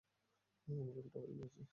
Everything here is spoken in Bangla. আমরা উল্টো হয়ে উড়ছি।